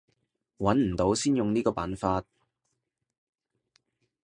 揾唔到先用呢個辦法